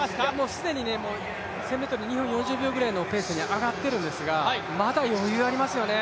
既に１０００ｍ、２分４０秒ぐらいのペースに、上がっているんですが、まだ余裕がありますよね。